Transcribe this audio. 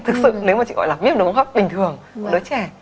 thực sự nếu mà chị gọi là viêm đường hô hấp bình thường đứa trẻ